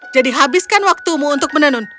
jadi habiskan waktumu untuk menenun